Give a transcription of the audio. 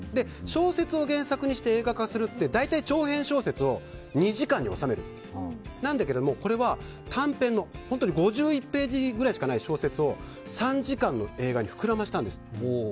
小説を原作にして映画化するって、大体長編小説を２時間に収めるんだけどもこれは、短編の本当に５１ページぐらいしかない小説を３時間の映画に膨らませたんです。